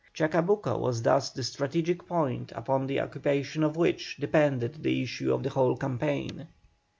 Chacabuco was thus the strategic point upon the occupation of which depended the issue of the whole campaign.